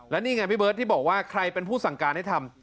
และนี่ไงพี่เบิร์ตที่บอกว่าใครเป็นผู้สั่งการให้ทำ